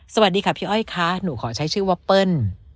สวัสดีค่ะพี่อ้อยค่ะหนูขอใช้ชื่อว่าเปิ้ล